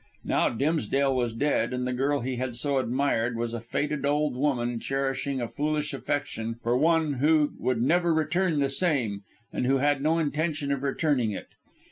Now Dimsdale was dead, and the girl he had so admired was a faded old woman, cherishing a foolish affection for one who would never return the same, and who had no intention of returning it.